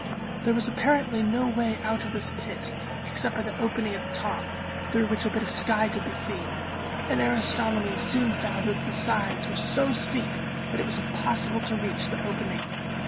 There was apparently no way out of this pit except by the opening at the top, through which a bit of sky could be seen; and Aristomenes soon found that the sides were so steep that it was impossible to reach the opening.